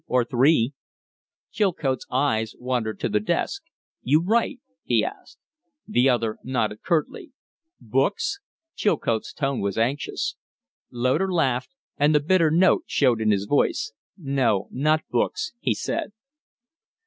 "Two or three." Chilcote's eyes wandered to the desk. "You write?" he asked. The other nodded curtly. "Books?" Chilcote's tone was anxious. Loder laughed, and the bitter note showed in his voice. "No not books," he said.